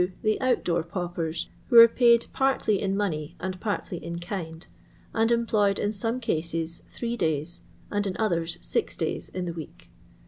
The out door paupers, who are paid partly in money and partly in kind, and employed in some cases three days and in others six days in the week.